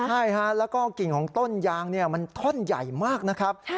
ใช่ฮะแล้วก็กิ่งของต้นยางมันท่อนใหญ่มากนะครับ